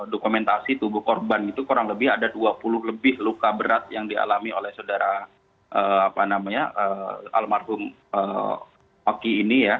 dokumentasi tubuh korban itu kurang lebih ada dua puluh lebih luka berat yang dialami oleh saudara almarhum oki ini ya